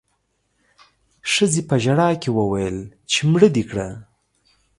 ښځې په ژړا کې وويل چې مړه دې کړه